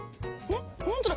本当だ！